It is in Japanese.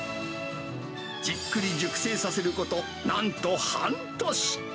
じっくり熟成させること、なんと半年。